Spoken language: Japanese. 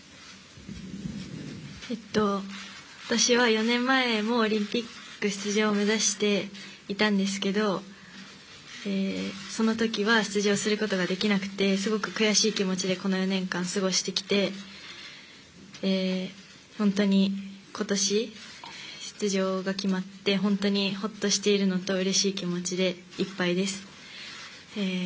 私は４年前もオリンピック出場を目指していたんですがそのときは出場することができなくてすごく悔しい気持ちでこの４年間過ごしてきて今年、出場が決まって本当にホッとしているのとうれしい気持ちでいっぱいです。